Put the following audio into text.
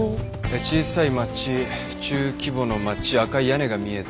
小さい町中規模の町赤い屋根が見えて。